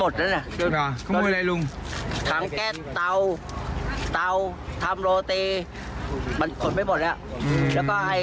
ทั้งแก้ดเตาเตาทำโรธีมันขนไปหมดแล้ว